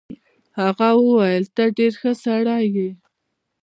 هغه وویل ته ډېر ښه سړی یې.